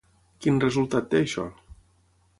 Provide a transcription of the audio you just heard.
Quin resultat té això?